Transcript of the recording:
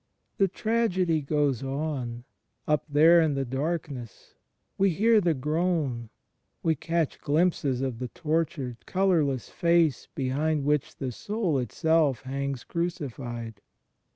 The tragedy goes on, up there in the darkness: we hear the groan; we catch glimpses of the tortured, colourless Face behind which the Soul itself hangs crucified